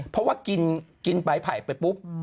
เพราะกินไปผ่ายไปปุ๊บ